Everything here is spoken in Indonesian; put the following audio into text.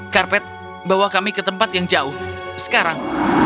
karpet bawa kami ke tempat yang jauh sekarang